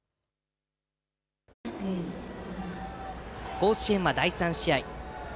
甲子園は第３試合。